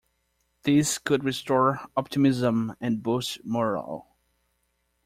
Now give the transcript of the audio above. This could restore optimism and boost morale.